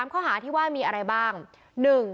ข้อหาที่ว่ามีอะไรบ้าง